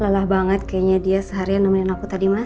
lelah banget kayaknya dia seharian nemenin aku tadi mas